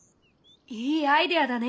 いいアイデアだね！